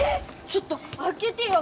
ちょっとあけてよ！